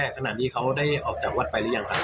ขนาดนี้เค้าได้เอาจากวัดไปรึยังครับ